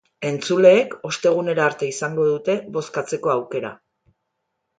Entzuleek ostegunera arte izango dute bozkatzeko aukera.